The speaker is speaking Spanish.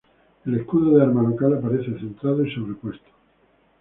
El escudo de armas local aparece centrado y sobrepuesto.